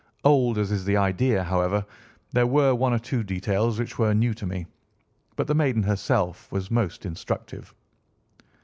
Old as is the idea, however, there were one or two details which were new to me. But the maiden herself was most instructive."